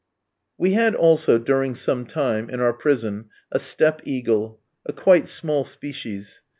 We had also, during some time, in our prison a steppe eagle; a quite small species.